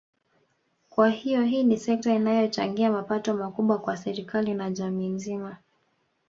Kwa hiyo hii ni sekta inayochangia mapato makubwa kwa serikali na jamii nzima